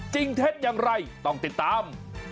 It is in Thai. จริงเทศอย่างไรต้องติดตาม